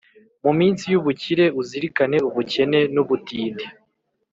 mu minsi y’ubukire, uzirikane ubukene n’ubutindi.